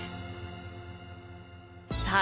さあ